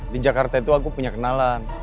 di jakarta itu aku punya kenalan